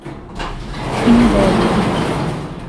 Pindoba